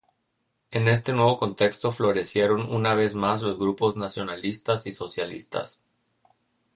En este nuevo contexto, florecieron una vez más los grupos nacionalistas y socialistas.